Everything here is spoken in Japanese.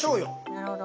なるほど。